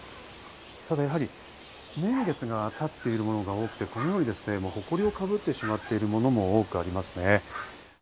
ただやはり、年月が経っているものが多く、ほこりをかぶってしまっているものも多くあります。